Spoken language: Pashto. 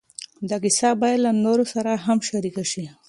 دا کیسه باید له نورو سره هم شریکه شي.